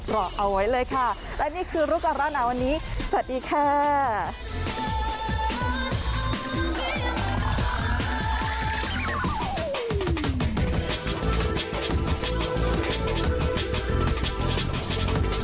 รอเอาไว้เลยค่ะและนี่คือรู้ก่อนร้อนหนาวันนี้สวัสดีค่ะ